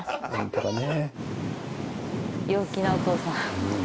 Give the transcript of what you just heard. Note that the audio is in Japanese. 陽気なお父さん。